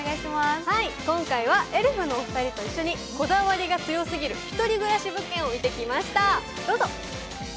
今回はエルフのお二人と一緒にこだわりが強すぎる１人暮らし物件を見てきました、どうぞ。